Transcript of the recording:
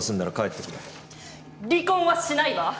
離婚はしないわ！